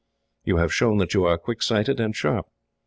You have shown that you are quick sighted and sharp.